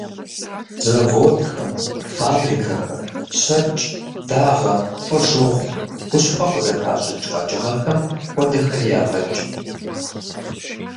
Заводхэм, фабрикэхэм щэкӀ, дагъэ, фошыгъу, хущхъуэ къызыщыхащӀыкӀ къэкӀыгъэхэм хуэдэхэри ягъэкӀ.